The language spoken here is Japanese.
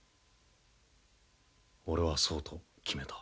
俺はそうと決めた。